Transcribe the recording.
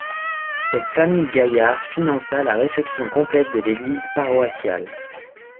Cette famille Gaillard finança la réfection complète de l’église paroissiale.